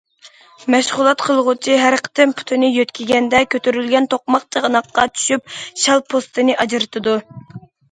مەشغۇلات قىلغۇچى ھەر قېتىم پۇتىنى يۆتكىگەندە كۆتۈرۈلگەن توقماق چاناققا چۈشۈپ، شال پوستىنى ئاجرىتىدۇ.